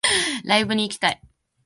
ライブに行きたい